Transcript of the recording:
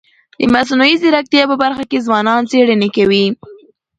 د مصنوعي ځیرکتیا په برخه کي ځوانان څيړني کوي.